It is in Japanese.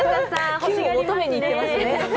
キュンを求めに行ってますね。